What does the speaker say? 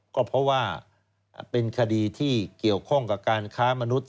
ก็เพราะว่าเป็นคดีที่เกี่ยวข้องกับการค้ามนุษย